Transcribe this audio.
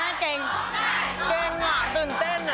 แม่เกรงเกรง่ะตื่นเต้น